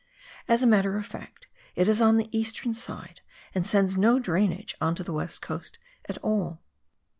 As a matter of fact, it is on the eastern side and sends no drainage on to the West Coast at all.